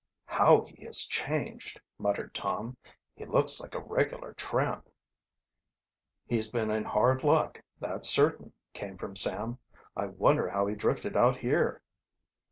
"How he is changed!" muttered Tom. "He looks like a regular tramp!" "He's been in hard luck, that's certain," came from Sam. "I wonder how he drifted out here?"